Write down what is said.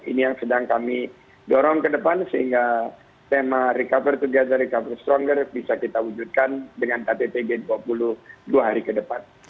ini yang sedang kami dorong ke depan sehingga tema recover together recover stronger bisa kita wujudkan dengan ktt g dua puluh dua hari ke depan